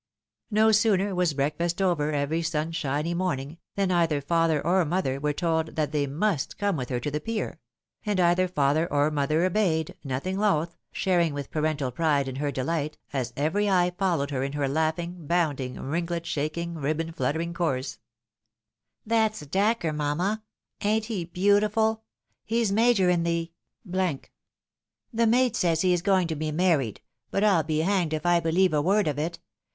No sooner was breakfast over every sunshiny morning, than either father or mother were told that they must come with her to the pier ; and either father or mother obeyed, nothing loth, sharing with parental pride in her dehght, as every eye fol lowed her in her laughing, bounding, ringlet shaking, ribbon fluttering course. " That's Dacre, mamma ! Ain't he beautiful ? He's major in the . The maid says he is going to be married, but I'U be hanged if I believe a word of it.